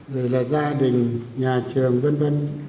rồi là gia đình nhà trường v v